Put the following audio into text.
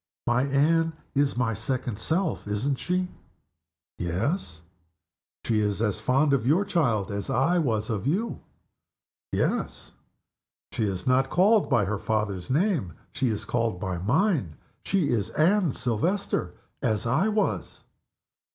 "My Anne is my second self isn't she?" "Yes." "She is as fond of your child as I was of you?" "Yes." "She is not called by her father's name she is called by mine. She is Anne Silvester as I was.